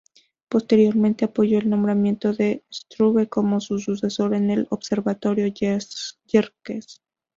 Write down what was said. Posteriormente apoyó el nombramiento de Struve como su sucesor en el Observatorio Yerkes.